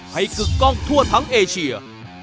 กึกกล้องทั่วทั้งเอเชีย